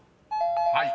［はい。